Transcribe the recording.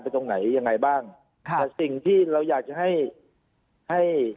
ตรงไหนยังไงบ้างค่ะแต่สิ่งที่เราอยากจะให้ให้